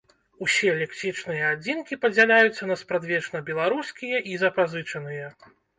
Усе лексічныя адзінкі падзяляюцца на спрадвечна беларускія і запазычаныя.